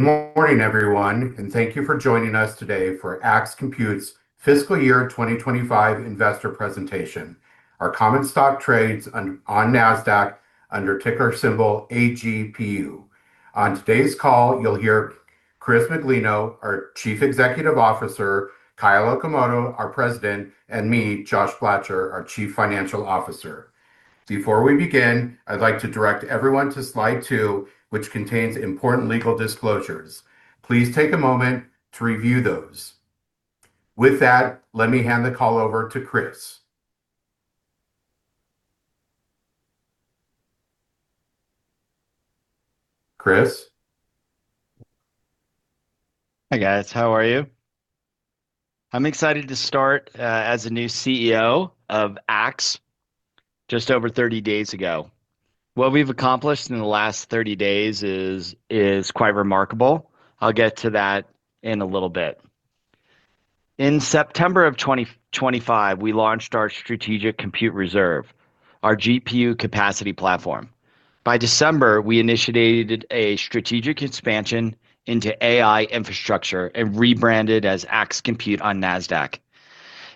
Good morning, everyone, and thank you for joining us today for Axe Compute's Fiscal Year 2025 Investor Presentation. Our common stock trades on Nasdaq under ticker symbol AGPU. On today's call, you'll hear Christopher Miglino, our Chief Executive Officer, Kyle Okamoto, our President, and me, Joshua Blacher, our Chief Financial Officer. Before we begin, I'd like to direct everyone to slide 2, which contains important legal disclosures. Please take a moment to review those. With that, let me hand the call over to Chris. Chris? Hi guys. How are you? I'm excited to start as the new CEO of Axe just over 30 days ago. What we've accomplished in the last 30 days is quite remarkable. I'll get to that in a little bit. In September of 2025, we launched our strategic compute reserve, our GPU capacity platform. By December, we initiated a strategic expansion into AI infrastructure and rebranded as Axe Compute on Nasdaq.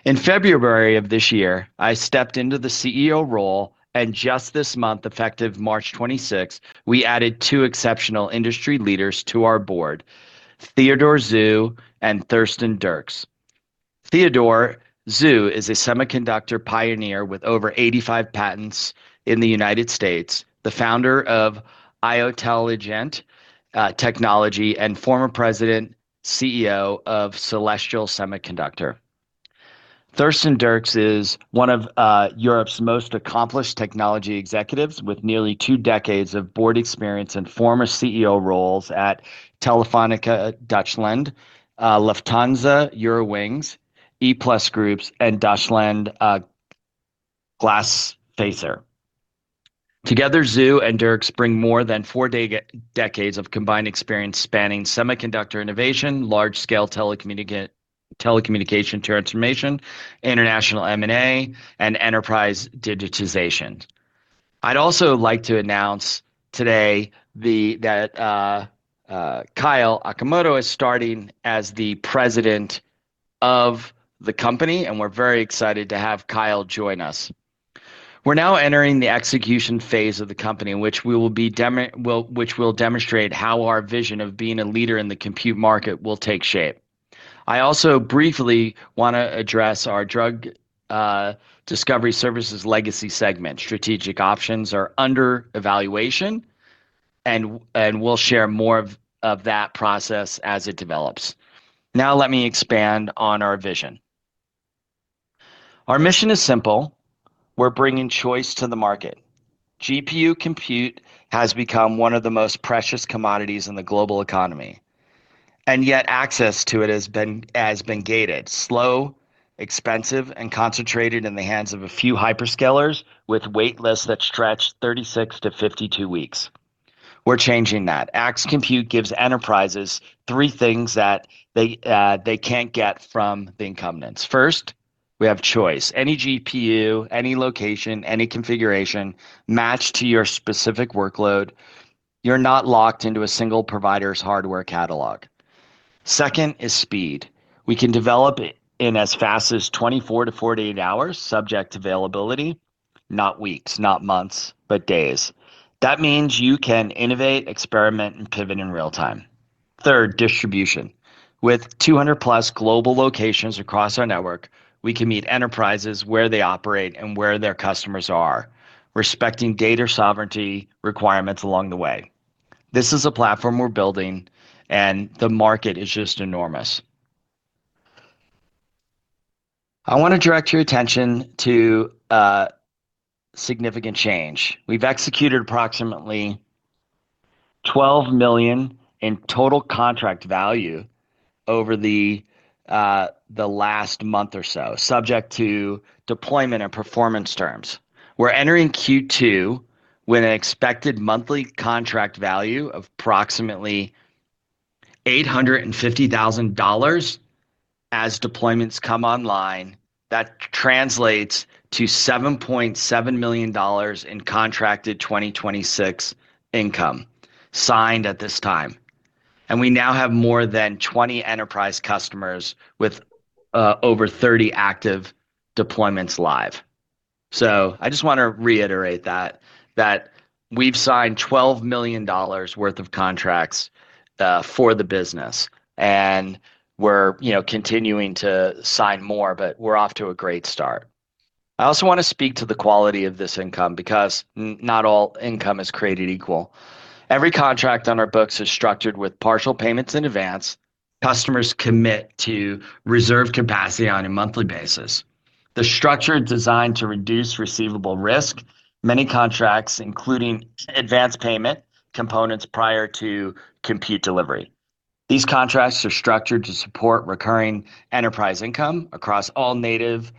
In February of this year, I stepped into the CEO role, and just this month, effective March 26th, we added two exceptional industry leaders to our board, Theodore Zhu and Thorsten Dirks. Theodore Zhu is a semiconductor pioneer with over 85 patents in the United States, the founder of Iotelligent Technology, and former president CEO of Celestial Semiconductor. Thorsten Dirks is one of Europe's most accomplished technology executives with nearly two decades of board experience and former CEO roles at Telefónica Deutschland, Lufthansa Eurowings, E-Plus Group, and Deutsche Glasfaser. Together, Zhu and Dirks bring more than four decades of combined experience spanning semiconductor innovation, large scale telecommunication transformation, international M&A, and enterprise digitization. I'd also like to announce today that Kyle Okamoto is starting as the president of the company, and we're very excited to have Kyle join us. We're now entering the execution phase of the company, in which we will which will demonstrate how our vision of being a leader in the compute market will take shape. I also briefly wanna address our drug discovery services legacy segment. Strategic options are under evaluation, and we'll share more of that process as it develops. Now let me expand on our vision. Our mission is simple. We're bringing choice to the market. GPU compute has become one of the most precious commodities in the global economy, and yet access to it has been gated, slow, expensive, and concentrated in the hands of a few hyperscalers with wait lists that stretch 36-52 weeks. We're changing that. Axe Compute gives enterprises three things that they can't get from the incumbents. First, we have choice, any GPU, any location, any configuration matched to your specific workload. You're not locked into a single provider's hardware catalog. Second is speed. We can develop it in as fast as 24-48 hours, subject to availability, not weeks, not months, but days. That means you can innovate, experiment, and pivot in real time. Third, distribution. With 200-plus global locations across our network, we can meet enterprises where they operate and where their customers are, respecting data sovereignty requirements along the way. This is a platform we're building, and the market is just enormous. I want to direct your attention to a significant change. We've executed approximately $12 million in total contract value over the last month or so, subject to deployment and performance terms. We're entering Q2 with an expected monthly contract value of approximately $850,000 as deployments come online. That translates to $7.7 million in contracted 2026 income signed at this time. We now have more than 20 enterprise customers with over 30 active deployments live. I just want to reiterate that we've signed $12 million worth of contracts for the business, and we're, you know, continuing to sign more, but we're off to a great start. I also want to speak to the quality of this income because not all income is created equal. Every contract on our books is structured with partial payments in advance. Customers commit to reserve capacity on a monthly basis. The structure is designed to reduce receivable risk. Many contracts include advanced payment components prior to compute delivery. These contracts are structured to support recurring enterprise income across all NVIDIA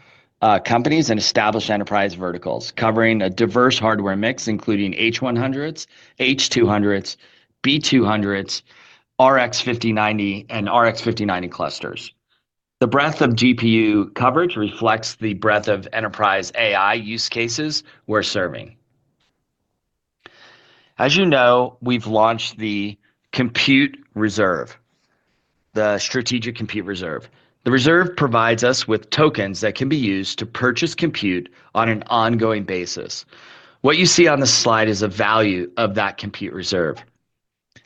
companies and established enterprise verticals, covering a diverse hardware mix, including H100s, H200s, B200s, RTX 5090, and RTX 5090 clusters. The breadth of GPU coverage reflects the breadth of enterprise AI use cases we're serving. As you know, we've launched the compute reserve, the strategic compute reserve. The reserve provides us with tokens that can be used to purchase compute on an ongoing basis. What you see on the slide is a value of that compute reserve.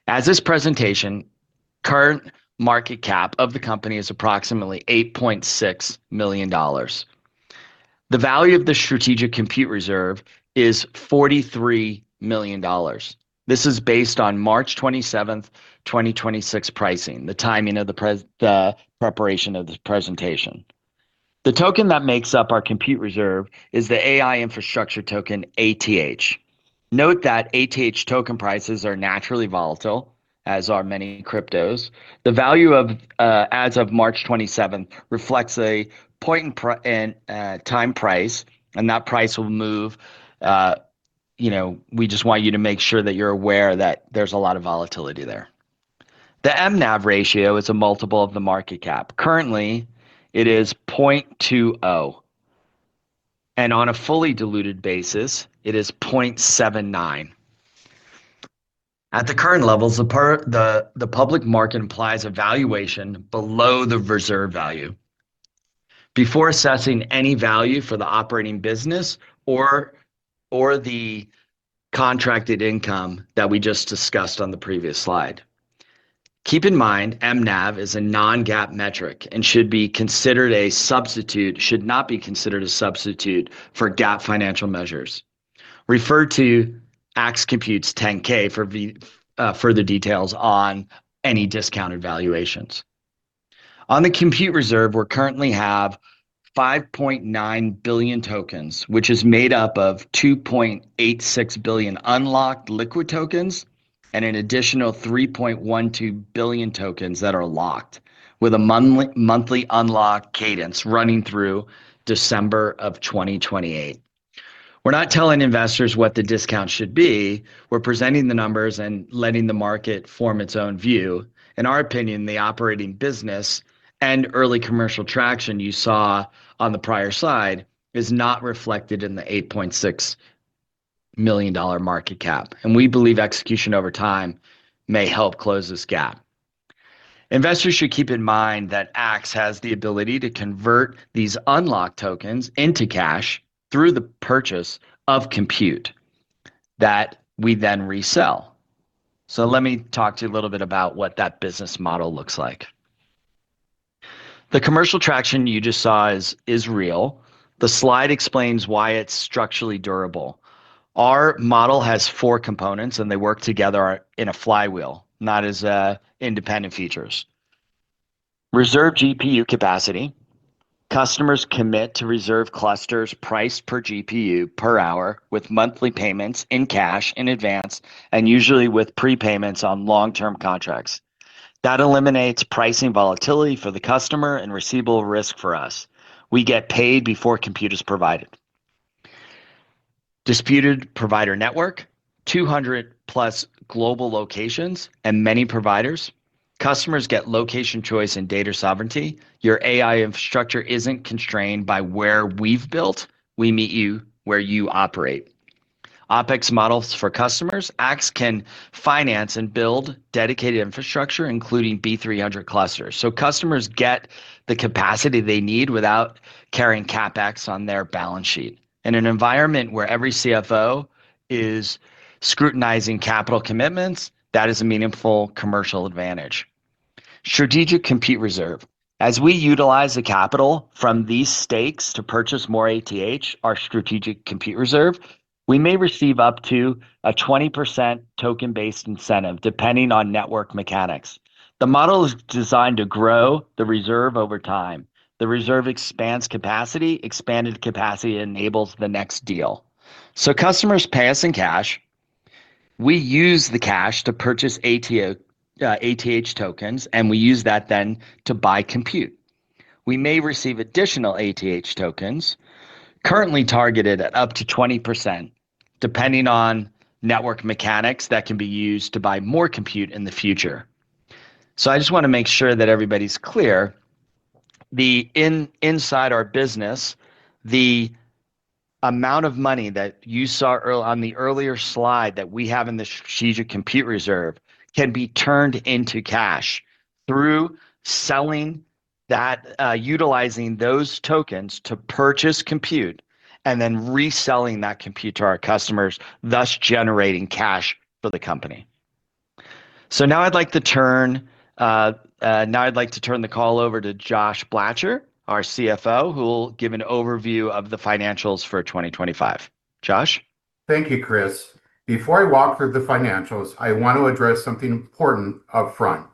As of this presentation, current market cap of the company is approximately $8.6 million. The value of the strategic compute reserve is $43 million. This is based on March 27, 2026 pricing, the timing of the preparation of this presentation. The token that makes up our compute reserve is the AI infrastructure token ATH. Note that ATH token prices are naturally volatile, as are many cryptos. The value of as of March 27 reflects a point in time price, and that price will move, you know, we just want you to make sure that you're aware that there's a lot of volatility there. The MNAV ratio is a multiple of the market cap. Currently, it is 0.2 and on a fully diluted basis, it is 0.79. At the current levels, the public market implies a valuation below the reserve value before assessing any value for the operating business or the contracted income that we just discussed on the previous slide. Keep in mind, MNAV is a non-GAAP metric and should not be considered a substitute for GAAP financial measures. Refer to Axe Compute's 10-K for further details on any discounted valuations. On the compute reserve, we currently have 5.9 billion tokens, which is made up of 2.86 billion unlocked liquid tokens and an additional 3.12 billion tokens that are locked with a monthly unlock cadence running through December 2028. We're not telling investors what the discount should be. We're presenting the numbers and letting the market form its own view. In our opinion, the operating business and early commercial traction you saw on the prior slide is not reflected in the $8.6 million market cap, and we believe execution over time may help close this gap. Investors should keep in mind that AX has the ability to convert these unlocked tokens into cash through the purchase of compute that we then resell. Let me talk to you a little bit about what that business model looks like. The commercial traction you just saw is real. The slide explains why it's structurally durable. Our model has four components, and they work together in a flywheel, not as independent features. Reserve GPU capacity. Customers commit to reserve clusters priced per GPU per hour with monthly payments in cash in advance, and usually with prepayments on long-term contracts. That eliminates pricing volatility for the customer and receivable risk for us. We get paid before compute is provided. Distributed provider network, 200+ global locations and many providers. Customers get location choice and data sovereignty. Your AI infrastructure isn't constrained by where we've built. We meet you where you operate. OpEx models for customers. Axe can finance and build dedicated infrastructure, including B300 clusters, so customers get the capacity they need without carrying CapEx on their balance sheet. In an environment where every CFO is scrutinizing capital commitments, that is a meaningful commercial advantage. Strategic compute reserve. As we utilize the capital from these stakes to purchase more ATH, our strategic compute reserve, we may receive up to a 20% token-based incentive, depending on network mechanics. The model is designed to grow the reserve over time. The reserve expands capacity. Expanded capacity enables the next deal. Customers pay us in cash. We use the cash to purchase ATH tokens, and we use that then to buy compute. We may receive additional ATH tokens, currently targeted at up to 20%, depending on network mechanics that can be used to buy more compute in the future. I just wanna make sure that everybody's clear. Inside our business, the amount of money that you saw on the earlier slide that we have in the strategic compute reserve can be turned into cash through selling that, utilizing those tokens to purchase compute and then reselling that compute to our customers, thus generating cash for the company. Now I'd like to turn the call over to Josh Blacher, our CFO, who will give an overview of the financials for 2025. Josh? Thank you, Chris. Before I walk through the financials, I want to address something important up front.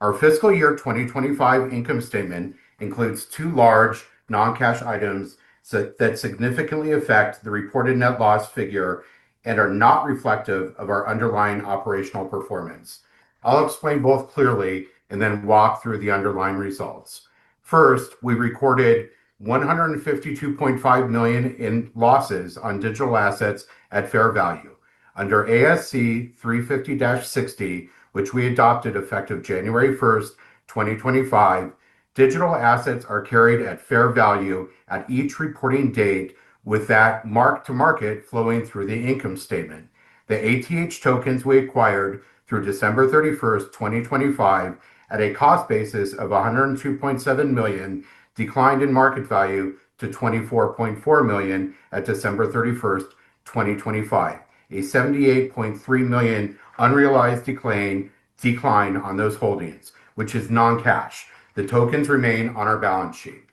Our fiscal year 2025 income statement includes two large non-cash items that significantly affect the reported net loss figure and are not reflective of our underlying operational performance. I'll explain both clearly and then walk through the underlying results. First, we recorded $152.5 million in losses on digital assets at fair value. Under ASC 350-60, which we adopted effective January 1, 2025, digital assets are carried at fair value at each reporting date, with that mark to market flowing through the income statement. The ATH tokens we acquired through December 31, 2025 at a cost basis of $102.7 million declined in market value to $24.4 million at December 31, 2025. A $78.3 million unrealized decline on those holdings, which is non-cash. The tokens remain on our balance sheet.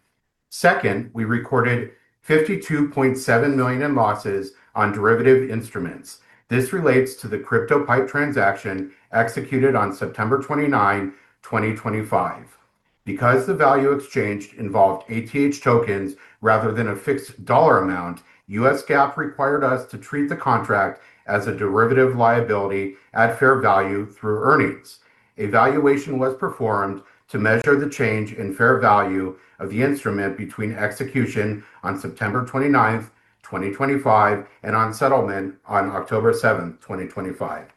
Second, we recorded $52.7 million in losses on derivative instruments. This relates to the Crypto PIPE transaction executed on September 29, 2025. Because the value exchanged involved ATH tokens rather than a fixed dollar amount, US GAAP required us to treat the contract as a derivative liability at fair value through earnings. Evaluation was performed to measure the change in fair value of the instrument between execution on September 29, 2025, and on settlement on October 7, 2025.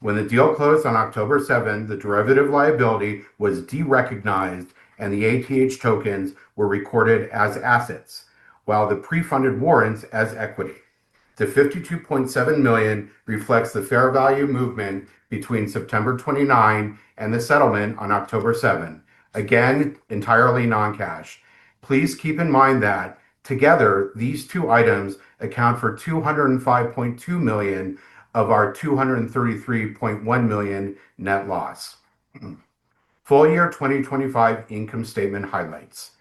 When the deal closed on October 7, the derivative liability was derecognized and the ATH tokens were recorded as assets, while the pre-funded warrants as equity. The $52.7 million reflects the fair value movement between September 29 and the settlement on October 7. Again, entirely non-cash. Please keep in mind that together, these two items account for $205.2 million of our $233.1 million net loss. Full year 2025 income statement highlights.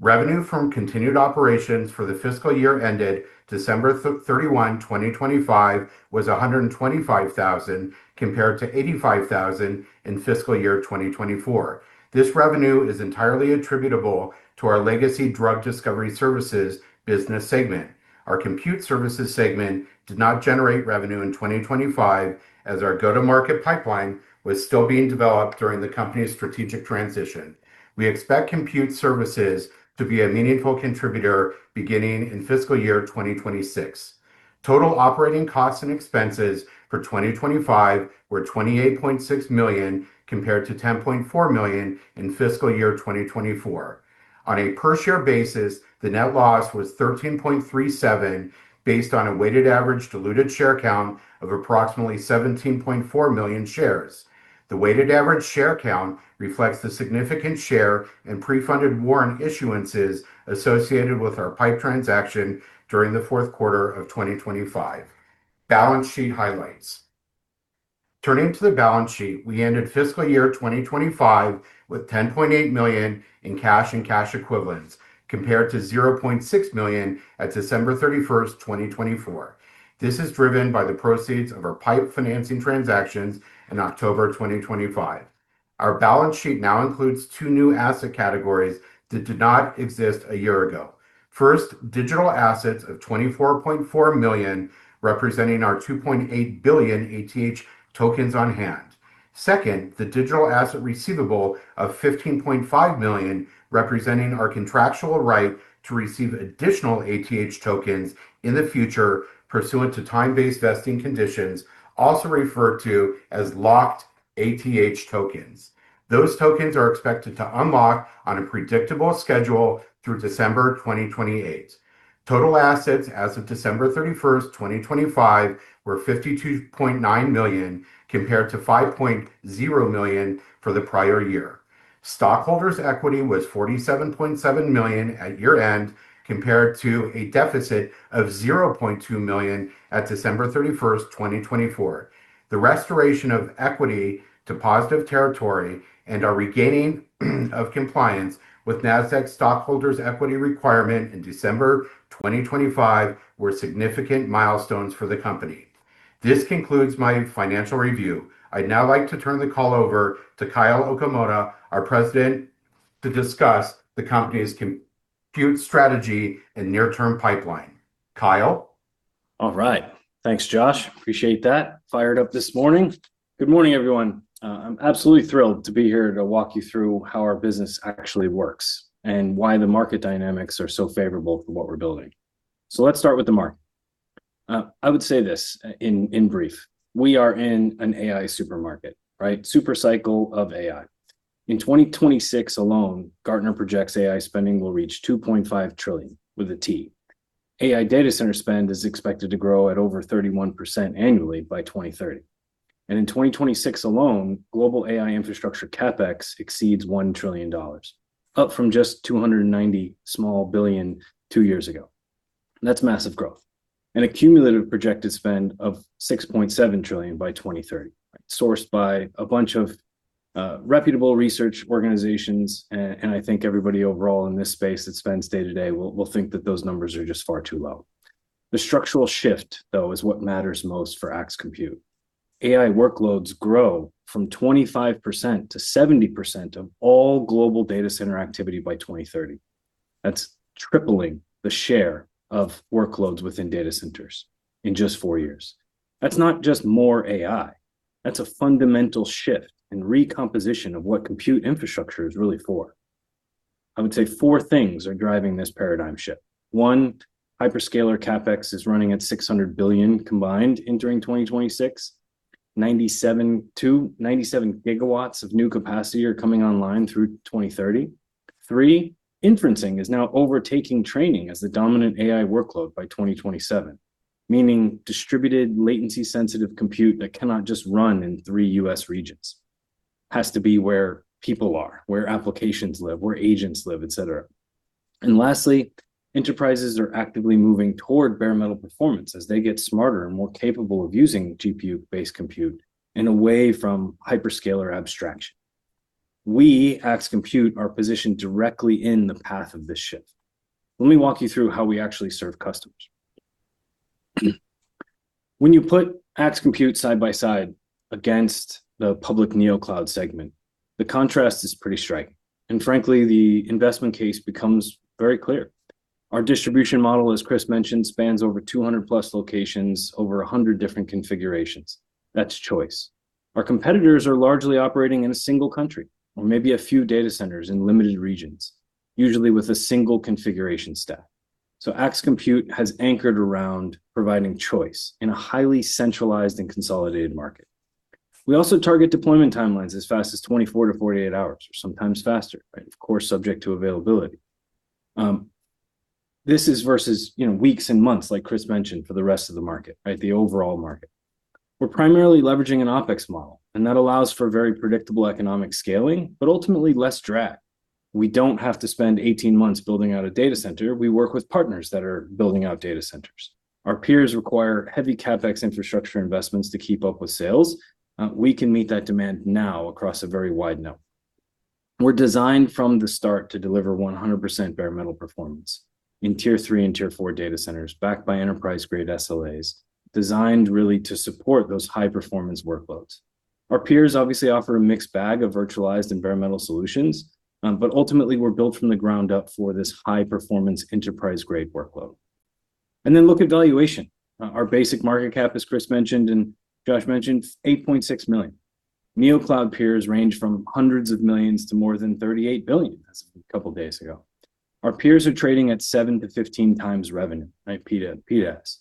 Revenue from continued operations for the fiscal year ended December 31, 2025 was $125,000, compared to $85,000 in fiscal year 2024. This revenue is entirely attributable to our legacy drug discovery services business segment. Our compute services segment did not generate revenue in 2025, as our go-to-market pipeline was still being developed during the company's strategic transition. We expect compute services to be a meaningful contributor beginning in fiscal year 2026. Total operating costs and expenses for 2025 were $28.6 million, compared to $10.4 million in fiscal year 2024. On a per-share basis, the net loss was $13.37 based on a weighted average diluted share count of approximately 17.4 million shares. The weighted average share count reflects the significant share in pre-funded warrant issuances associated with our PIPE transaction during the fourth quarter of 2025. Balance sheet highlights. Turning to the balance sheet, we ended fiscal year 2025 with $10.8 million in cash and cash equivalents, compared to $0.6 million at December 31, 2024. This is driven by the proceeds of our PIPE financing transactions in October 2025. Our balance sheet now includes two new asset categories that did not exist a year ago. First, digital assets of $24.4 million, representing our 2.8 billion ATH tokens on hand. Second, the digital asset receivable of $15.5 million, representing our contractual right to receive additional ATH tokens in the future pursuant to time-based vesting conditions, also referred to as locked ATH tokens. Those tokens are expected to unlock on a predictable schedule through December 2028. Total assets as of December 31, 2025 were $52.9 million, compared to $5.0 million for the prior year. Stockholders' equity was $47.7 million at year-end, compared to a deficit of $0.2 million at December 31, 2024. The restoration of equity to positive territory and our regaining of compliance with Nasdaq stockholders' equity requirement in December 2025 were significant milestones for the company. This concludes my financial review. I'd now like to turn the call over to Kyle Okamoto, our President, to discuss the company's compute strategy and near-term pipeline. Kyle? All right. Thanks, Josh. Appreciate that. Fired up this morning. Good morning, everyone. I'm absolutely thrilled to be here to walk you through how our business actually works and why the market dynamics are so favorable for what we're building. Let's start with the market. I would say this in brief: we are in an AI supermarket. Right. Super cycle of AI. In 2026 alone, Gartner projects AI spending will reach $2.5 trillion, with a T. AI data center spend is expected to grow at over 31% annually by 2030. In 2026 alone, global AI infrastructure CapEx exceeds $1 trillion, up from just $290 billion two years ago. That's massive growth. An accumulative projected spend of $6.7 trillion by 2030, sourced by a bunch of reputable research organizations, and I think everybody overall in this space that spends day to day will think that those numbers are just far too low. The structural shift, though, is what matters most for Axe Compute. AI workloads grow from 25% to 70% of all global data center activity by 2030. That's tripling the share of workloads within data centers in just four years. That's not just more AI. That's a fundamental shift and recomposition of what compute infrastructure is really for. I would say four things are driving this paradigm shift. One, hyperscaler CapEx is running at $600 billion combined entering 2026. 97-97 GW of new capacity are coming online through 2030. Three, inferencing is now overtaking training as the dominant AI workload by 2027, meaning distributed latency-sensitive compute that cannot just run in three U.S. regions. Has to be where people are, where applications live, where agents live, et cetera. Lastly, enterprises are actively moving toward bare metal performance as they get smarter and more capable of using GPU-based compute and away from hyperscaler abstraction. We, Axe Compute, are positioned directly in the path of this shift. Let me walk you through how we actually serve customers. When you put Axe Compute side by side against the public Neocloud segment, the contrast is pretty striking, and frankly, the investment case becomes very clear. Our distribution model, as Chris mentioned, spans over 200+ locations, over 100 different configurations. That's choice. Our competitors are largely operating in a single country or maybe a few data centers in limited regions, usually with a single configuration stack. Axe Compute has anchored around providing choice in a highly centralized and consolidated market. We also target deployment timelines as fast as 24-48 hours or sometimes faster, right? Of course, subject to availability. This is versus, you know, weeks and months, like Chris mentioned, for the rest of the market, right, the overall market. We're primarily leveraging an OpEx model, and that allows for very predictable economic scaling, but ultimately less drag. We don't have to spend 18 months building out a data center. We work with partners that are building out data centers. Our peers require heavy CapEx infrastructure investments to keep up with sales. We can meet that demand now across a very wide net. We're designed from the start to deliver 100% bare metal performance in tier three and tier four data centers backed by enterprise-grade SLAs designed really to support those high-performance workloads. Our peers obviously offer a mixed bag of virtualized environmental solutions, but ultimately, we're built from the ground up for this high-performance enterprise-grade workload. Look at valuation. Our basic market cap, as Chris mentioned and Josh mentioned, $8.6 million. Neocloud peers range from hundreds of millions to more than $38 billion as of a couple days ago. Our peers are trading at 7-15x revenue, right, P/S.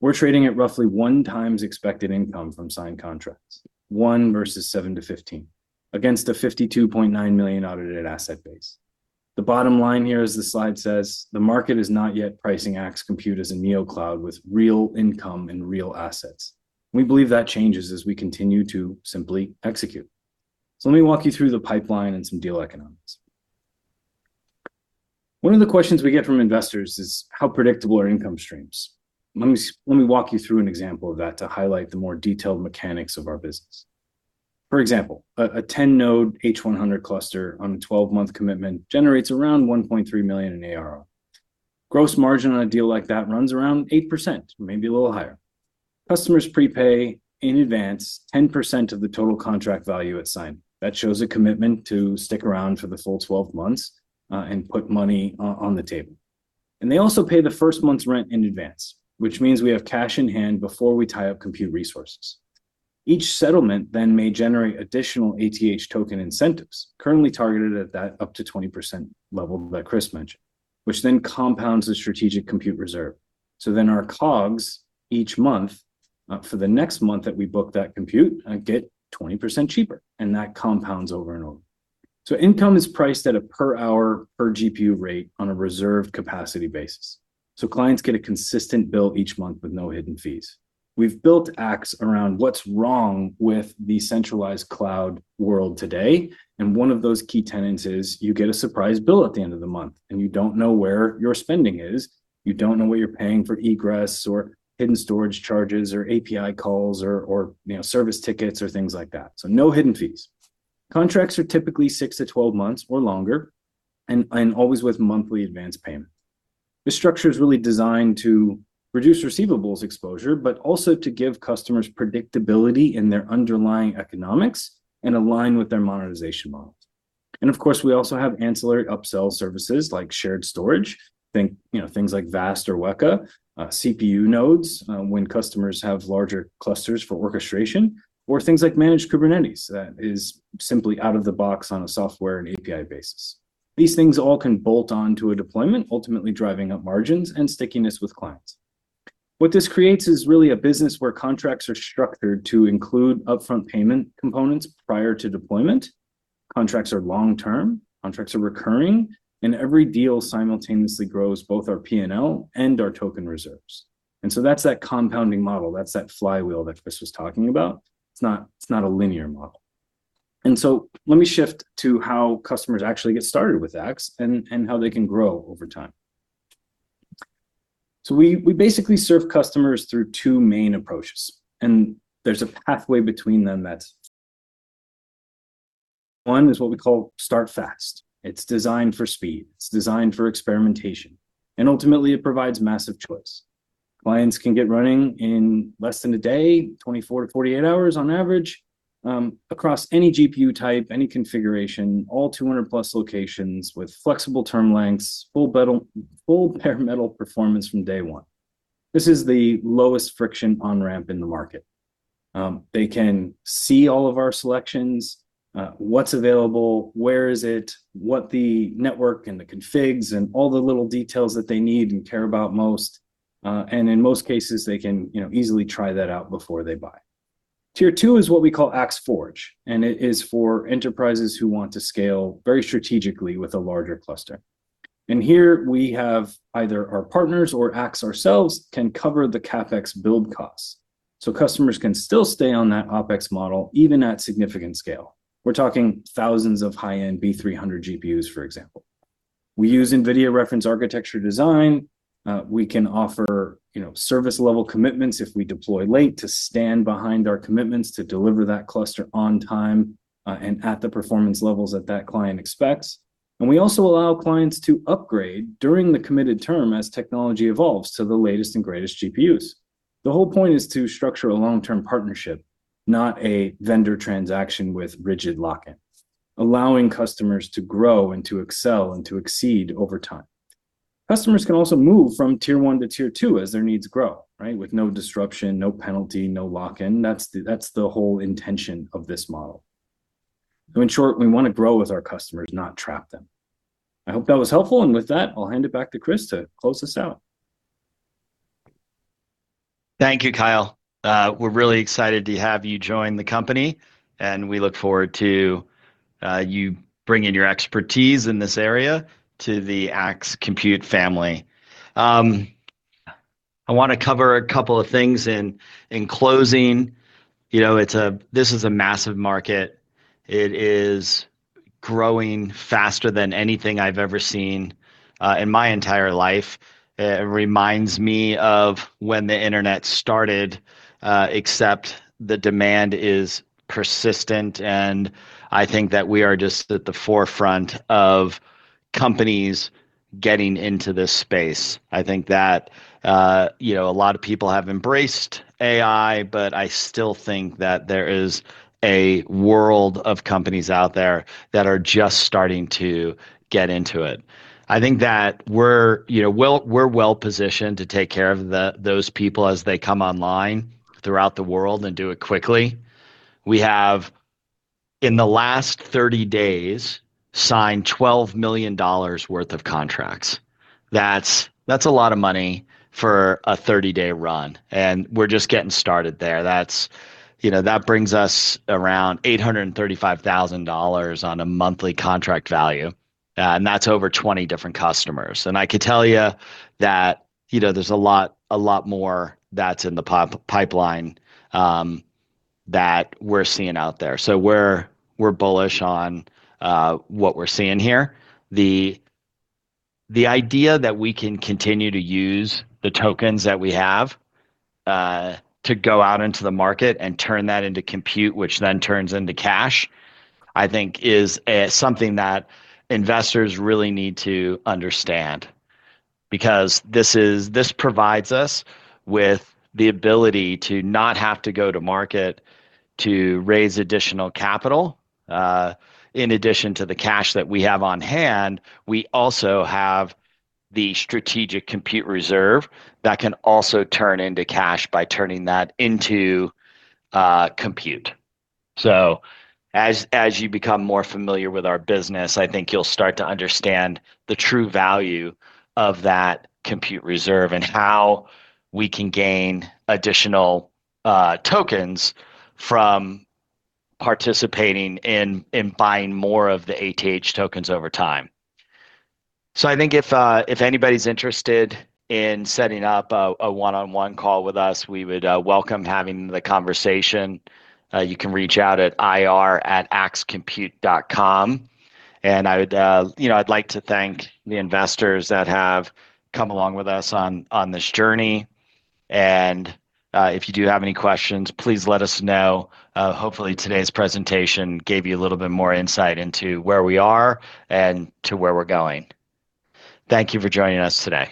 We're trading at roughly 1x expected income from signed contracts, 1 versus 7-15, against a $52.9 million audited asset base. The bottom line here, as the slide says, "The market is not yet pricing Axe Compute as a Neocloud with real income and real assets." We believe that changes as we continue to simply execute. Let me walk you through the pipeline and some deal economics. One of the questions we get from investors is, how predictable are income streams? Let me walk you through an example of that to highlight the more detailed mechanics of our business. For example, a 10-node H100 cluster on a 12-month commitment generates around $1.3 million in ARR. Gross margin on a deal like that runs around 8%, maybe a little higher. Customers prepay in advance 10% of the total contract value at sign. That shows a commitment to stick around for the full 12 months, and put money on the table. They also pay the first month's rent in advance, which means we have cash in hand before we tie up compute resources. Each settlement then may generate additional ATH token incentives, currently targeted at that up to 20% level that Chris mentioned, which then compounds the strategic compute reserve. Our COGS each month, for the next month that we book that compute, get 20% cheaper, and that compounds over and over. Income is priced at a per hour per GPU rate on a reserved capacity basis, so clients get a consistent bill each month with no hidden fees. We've built Axe around what's wrong with the centralized cloud world today, and one of those key tenets is you get a surprise bill at the end of the month, and you don't know where your spending is. You don't know what you're paying for egress or hidden storage charges or API calls or, you know, service tickets or things like that. So no hidden fees. Contracts are typically 6-12 months or longer and always with monthly advanced payment. This structure is really designed to reduce receivables exposure, but also to give customers predictability in their underlying economics and align with their monetization models. Of course, we also have ancillary upsell services like shared storage. Think, you know, things like VAST or WEKA, CPU nodes, when customers have larger clusters for orchestration, or things like managed Kubernetes that is simply out of the box on a software and API basis. These things all can bolt onto a deployment, ultimately driving up margins and stickiness with clients. What this creates is really a business where contracts are structured to include upfront payment components prior to deployment. Contracts are long-term, contracts are recurring, and every deal simultaneously grows both our P&L and our token reserves. That's that compounding model. That's that flywheel that Chris was talking about. It's not a linear model. Let me shift to how customers actually get started with AX and how they can grow over time. We basically serve customers through two main approaches, and there's a pathway between them. One is what we call start fast. It's designed for speed, it's designed for experimentation, and ultimately, it provides massive choice. Clients can get running in less than a day, 24-48 hours on average, across any GPU type, any configuration, all 200+ locations with flexible term lengths, full bare metal performance from day one. This is the lowest friction on-ramp in the market. They can see all of our selections. What's available, where is it, what the network and the configs, and all the little details that they need and care about most. In most cases, they can, you know, easily try that out before they buy. Tier 2 is what we call AXE Forge, and it is for enterprises who want to scale very strategically with a larger cluster. Here we have either our partners or Axe ourselves can cover the CapEx build costs, so customers can still stay on that OpEx model, even at significant scale. We're talking thousands of high-end B300 GPUs, for example. We use NVIDIA reference architecture design. We can offer, you know, service-level commitments if we deploy late to stand behind our commitments to deliver that cluster on time, and at the performance levels that client expects. We also allow clients to upgrade during the committed term as technology evolves to the latest and greatest GPUs. The whole point is to structure a long-term partnership, not a vendor transaction with rigid lock-in, allowing customers to grow and to excel and to exceed over time. Customers can also move from tier one to tier two as their needs grow, right? With no disruption, no penalty, no lock-in. That's the whole intention of this model. In short, we wanna grow with our customers, not trap them. I hope that was helpful, and with that, I'll hand it back to Chris to close us out. Thank you, Kyle. We're really excited to have you join the company, and we look forward to you bringing your expertise in this area to the Axe Compute family. I wanna cover a couple of things in closing. You know, this is a massive market. It is growing faster than anything I've ever seen in my entire life. It reminds me of when the Internet started, except the demand is persistent, and I think that we are just at the forefront of companies getting into this space. I think that, you know, a lot of people have embraced AI, but I still think that there is a world of companies out there that are just starting to get into it. I think that we're, you know, well. We're well-positioned to take care of those people as they come online throughout the world and do it quickly. We have, in the last 30 days, signed $12 million worth of contracts. That's a lot of money for a 30-day run, and we're just getting started there. That brings us around $835,000 on a monthly contract value, and that's over 20 different customers. I could tell you that, you know, there's a lot more that's in the pipeline that we're seeing out there. We're bullish on what we're seeing here. The idea that we can continue to use the tokens that we have to go out into the market and turn that into compute, which then turns into cash, I think is something that investors really need to understand. Because this provides us with the ability to not have to go to market to raise additional capital. In addition to the cash that we have on hand, we also have the strategic compute reserve that can also turn into cash by turning that into compute. As you become more familiar with our business, I think you'll start to understand the true value of that compute reserve and how we can gain additional tokens from participating in buying more of the ATH tokens over time. I think if anybody's interested in setting up a one-on-one call with us, we would welcome having the conversation. You can reach out at ir@axecompute.com. I would, you know, I'd like to thank the investors that have come along with us on this journey. If you do have any questions, please let us know. Hopefully today's presentation gave you a little bit more insight into where we are and to where we're going. Thank you for joining us today.